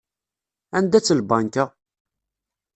Anda-tt lbanka?